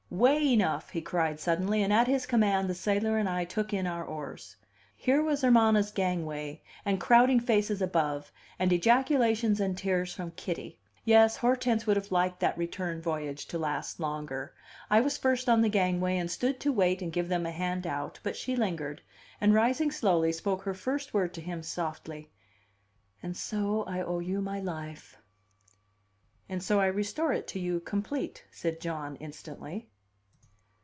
"Way enough!" he cried suddenly, and, at his command, the sailor and I took in our oars. Here was Hermana's gangway, and crowding faces above, and ejaculations and tears from Kitty. Yes, Hortense would have liked that return voyage to last longer. I was first on the gangway, and stood to wait and give them a hand out; but she lingered, and; rising slowly, spoke her first word to him, softly: "And so I owe you my life." "And so I restore it to you complete," said John, instantly.